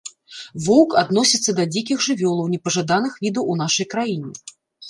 Воўк адносіцца да дзікіх жывёлаў непажаданых відаў у нашай краіне.